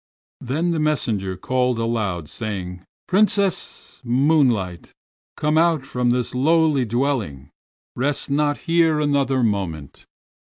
Then the messenger called aloud, saying: "Princess Moonlight, come out from this lowly dwelling. Rest not here another moment."